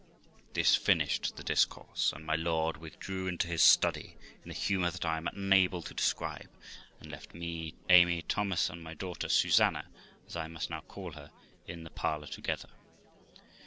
This finished the discourse, and my lord withdrew into his study, in a humour that I am unable to describe, and left me, Amy, Thomas, and my daughter Susanna, as I must now call her, in the parlour together.